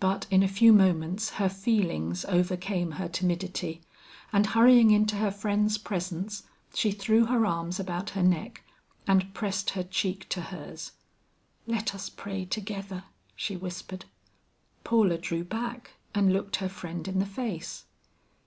But in a few moments her feelings overcame her timidity, and hurrying into her friend's presence, she threw her arms about her neck and pressed her cheek to hers. "Let us pray together," she whispered. Paula drew back and looked her friend in the face.